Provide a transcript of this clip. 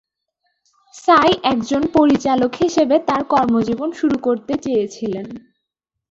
সাই একজন পরিচালক হিসেবে তার কর্মজীবন শুরু করতে চেয়েছিলেন।